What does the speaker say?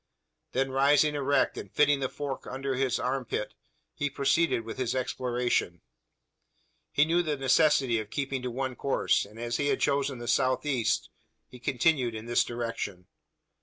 Then rising erect, and fitting the fork into his armpit, he proceeded with his exploration. He knew the necessity of keeping to one course; and, as he had chosen the south east, he continued in this direction.